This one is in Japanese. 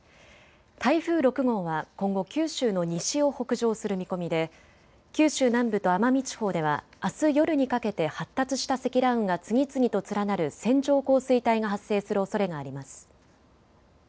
台風６号は今後、九州の西を北上する見込みで九州南部と奄美地方ではあす夜にかけて発達した積乱雲が次々と連なる線状降水帯が発生するおそれがあります。